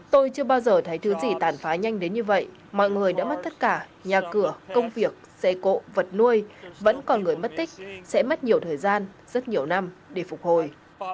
tôi chưa bao giờ thấy thứ gì tàn phá nhanh đến như vậy mọi người đã mất tất cả nhà cửa công việc xe cộ vật nuôi vẫn còn người mất tích sẽ mất nhiều thời gian rất nhiều năm để phục hồi